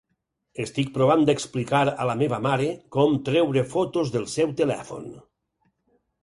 Estic provant d'explicar a la meva mare com treure fotos del seu telèfon.